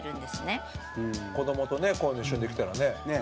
土田：子どもとねこういうの一緒にできたらね。